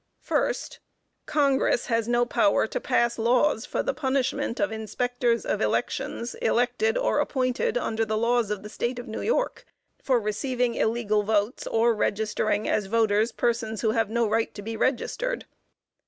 First. Congress has no power to pass laws for the punishment of Inspectors of Elections, elected or appointed under the laws of the State of New York, for receiving illegal votes, or registering as voters, persons who have no right to be registered.